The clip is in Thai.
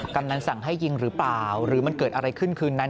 กำนันสั่งให้ยิงหรือเปล่าหรือมันเกิดอะไรขึ้นคืนนั้น